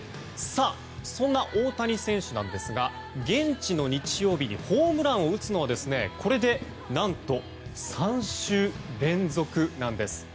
さあ、そんな大谷選手なんですが現地の日曜日にホームランを打つのはこれで何と３週連続なんです。